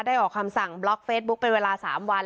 ออกคำสั่งบล็อกเฟซบุ๊กเป็นเวลา๓วัน